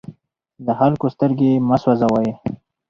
د خلکو سترګې مه سوځوئ.